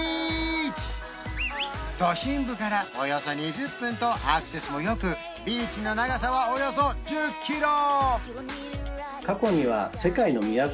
都心部からおよそ２０分とアクセスもよくビーチの長さはおよそ１０キロ！